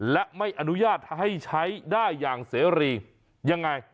และไม่อนุญาตให้ใช้ได้อย่างเสรียังไง